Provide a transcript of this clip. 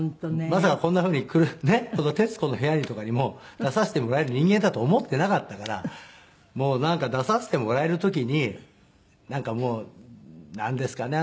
まさかこんな風にこの『徹子の部屋』にとかにも出させてもらえる人間だとは思ってなかったからもうなんか出させてもらえる時になんかもうなんですかね。